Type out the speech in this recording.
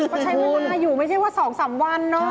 เฮ่ยก็ใช้เวลาอยู่ไม่ใช่ว่า๒๓วัน